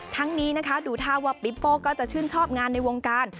ทั้งนี้นะคะดูท่าว่าปิ๊ปโป้ก็จะชื่นชอบงานในวงการ